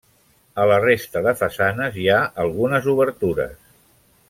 A la resta de façanes hi ha algunes obertures.